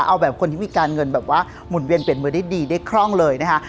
เอาแบบคนที่มีการเงินแบบว่าหมุนเวียนเปลี่ยนมือได้ดีได้คล่องเลยนะคะ